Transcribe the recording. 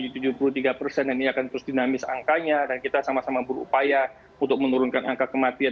dan ini akan terus dinamis angkanya dan kita sama sama berupaya untuk menurunkan angka kematian